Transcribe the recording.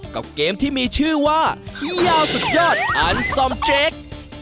กับเกมที่มีชื่อว่ายาวสุดยอดอันซอมเจค